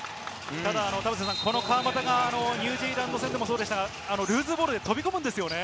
ただ、この川真田がニュージーランド戦でもそうでしたが、ルーズボールで飛び込むんですよね。